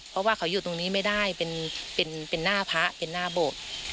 เพราะว่าเขาอยู่ตรงนี้ไม่ได้เป็นหน้าพระเป็นหน้าโบสถ์